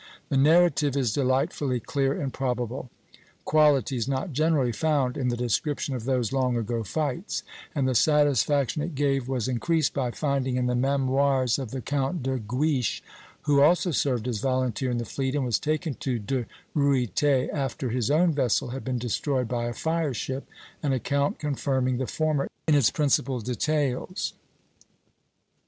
The narrative is delightfully clear and probable, qualities not generally found in the description of those long ago fights; and the satisfaction it gave was increased by finding in the Memoirs of the Count de Guiche, who also served as volunteer in the fleet, and was taken to De Ruyter after his own vessel had been destroyed by a fire ship, an account confirming the former in its principal details.